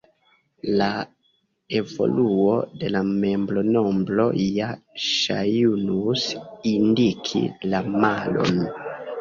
La evoluo de la membronombro ja ŝajnus indiki la malon.